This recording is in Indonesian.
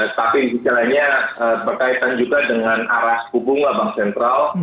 tapi istilahnya berkaitan juga dengan arah suku bunga bank sentral